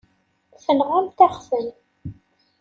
Tenɣamt-aɣ-ten.